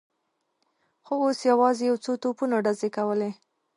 خو اوس یوازې یو څو توپونو ډزې کولې.